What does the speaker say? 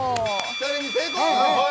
チャレンジ成功！